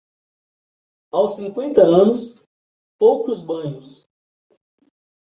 Aos cinquenta anos, poucos banhos.